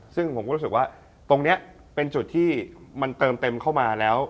ซึ่งผมก็รู้สึกว่าตรงนี้เป็นจุดที่มันเติมเต็มเข้ามาแล้ว